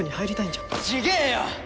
違えよ！